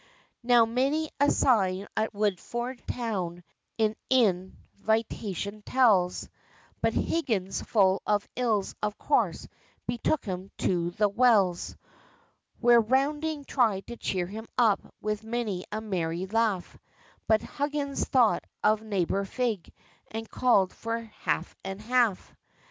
Now many a sign at Woodford town Its Inn vitation tells: But Huggins, full of ills, of course, Betook him to the Wells, Where Rounding tried to cheer him up With many a merry laugh, But Huggins thought of neighbor Fig, And called for half and half.